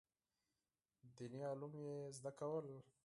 دیني علوم یې زده کول.